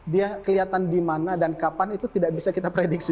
dia kelihatan di mana dan kapan itu tidak bisa kita prediksi